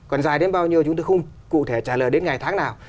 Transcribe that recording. còn dài đến bao nhiêu chúng tôi không cụ thể trả lời đến ngày tháng nào